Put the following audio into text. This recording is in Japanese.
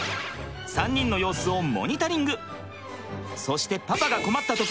３人の様子をモニタリング。